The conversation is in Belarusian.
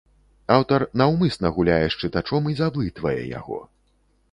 Аўтар наўмысна гуляе з чытачом і заблытвае яго.